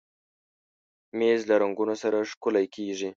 مېز له رنګونو سره ښکلی کېږي.